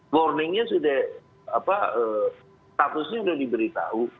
warningnya sudah statusnya sudah diberitahu